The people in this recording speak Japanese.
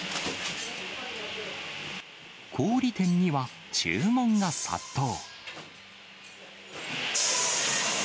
氷店には注文が殺到。